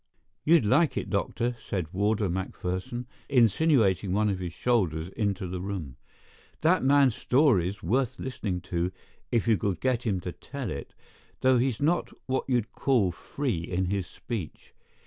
"You'd like it, doctor," said Warder McPherson, insinuating one of his shoulders into the room. "That man's story's worth listening to if you could get him to tell it, though he's not what you'd call free in his speech.